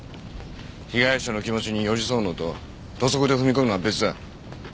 被害者の気持ちに寄り添うのと土足で踏み込むのは別だ。